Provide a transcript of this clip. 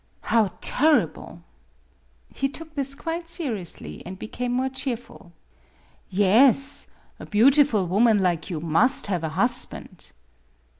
"How tarrible! " He took this quite seriously, and became more cheerful. " Yes; a beautiful woman like you must have a husband."